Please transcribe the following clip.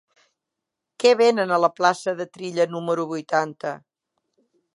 Què venen a la plaça de Trilla número vuitanta?